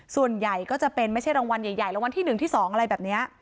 ส่วนใหญ่ก็จะเป็นไม่ใช่รางวัลใหญ่รางวัลที่๑ที่๒อะไรแบบนี้